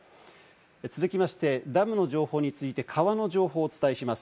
続きまして、ダムの情報について川の情報をお伝えします。